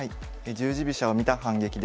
「十字飛車を見た反撃」です。